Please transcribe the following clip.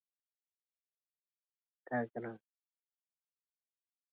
A fuel consumption of was recorded.